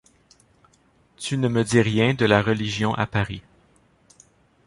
Tu ne me dis rien de la religion à Paris.